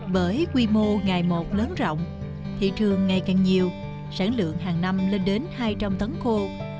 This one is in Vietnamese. bởi quy mô ngày một lớn rộng thị trường ngày càng nhiều sản lượng hàng năm lên đến hai trăm linh tấn khô